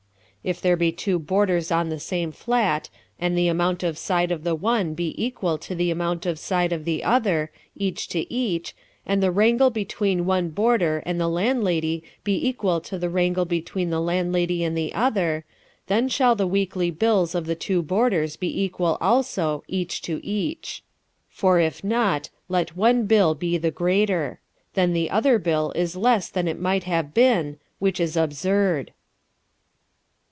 If there be two boarders on the same flat, and the amount of side of the one be equal to the amount of side of the other, each to each, and the wrangle between one boarder and the landlady be equal to the wrangle between the landlady and the other, then shall the weekly bills of the two boarders be equal also, each to each. For if not, let one bill be the greater. Then the other bill is less than it might have been which is absurd.